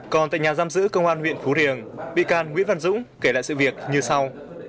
còn tại nhà giam giữ công an huyện phú riềng bị can nguyễn văn dũng kể lại sự việc như sau